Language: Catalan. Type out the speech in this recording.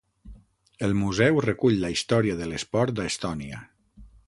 El museu recull la història de l'esport a Estònia.